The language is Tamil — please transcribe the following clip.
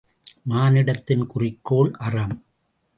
மானுடத்தின் குறிக்கோள் அறம்.